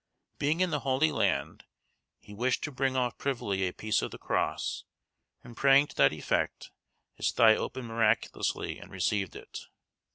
Being in the Holy Land, he wished to bring off privily a piece of the cross, and praying to that effect, his thigh opened miraculously, and received it.